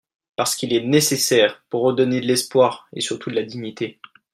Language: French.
parce qu’il est nécessaire pour redonner de l’espoir et surtout de la dignité.